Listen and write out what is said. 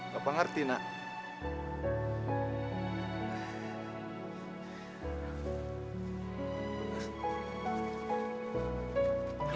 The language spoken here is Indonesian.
gak pengerti nak